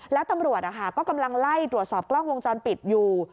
แล้วตำรวจก็กำลังไล่ตรวจสอบกล้องวงจรปิดอยู่